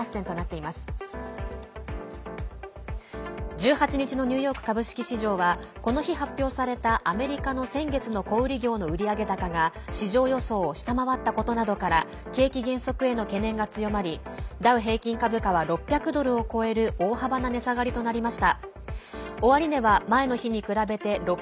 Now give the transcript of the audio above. １８日のニューヨーク株式市場はこの日発表されたアメリカの先月の小売業の売上高が市場予想を下回ったことなどから景気減速への懸念が強まりダウ平均株価は６００ドルを超える大幅な値下がりとなりました。